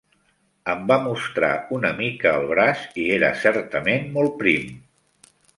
Em va mostrar una mica el braç i era certament molt prim.